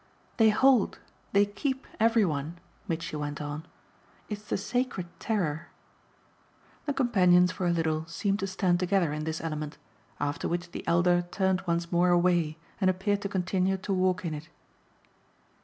"They hold, they keep every one," Mitchy went on. "It's the sacred terror." The companions for a little seemed to stand together in this element; after which the elder turned once more away and appeared to continue to walk in it.